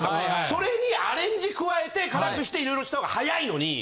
それにアレンジ加えて辛くして色々した方が早いのに。